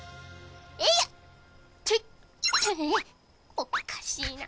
おっかしいな。